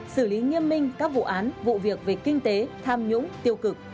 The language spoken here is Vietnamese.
xử lý nghiêm minh các vụ án vụ việc về kinh tế tham nhũng tiêu cực